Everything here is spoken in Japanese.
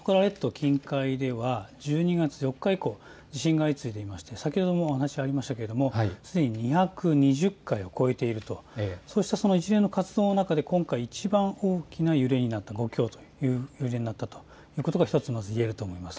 近海では１２月４日以降、地震が相次いでいまして先ほどのお話にもありましたがすでに２２０回を超えていると、その一連の活動の中で今回いちばん大きな揺れになった、５強ということになったということが１つまず言えると思います。